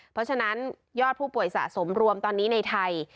เพราะฉะนั้นยอดผู้ป่วยสะสมรวมตอนนี้ในไทย